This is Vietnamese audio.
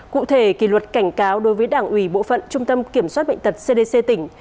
cụ thể kỷ luật cảnh cáo đối với đảng ủy bộ phận trung tâm kiểm soát bệnh tật cdc tỉnh